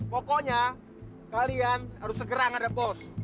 pokoknya kalian harus segerang ada bos